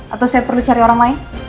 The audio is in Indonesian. atau saya perlu cari orang lain